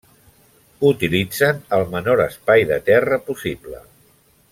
Utilitzen el menor espai de terra possible.